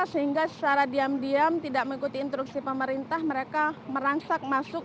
sehingga secara diam diam tidak mengikuti instruksi pemerintah mereka merangsak masuk